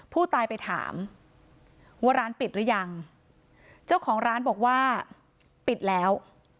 ผู้ตายไปถามว่าร้านปิดหรือยังเจ้าของร้านบอกว่าปิดแล้ว